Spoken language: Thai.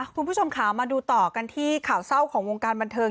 คุณผู้ชมค่ะมาดูต่อกันที่ข่าวเศร้าของวงการบันเทิง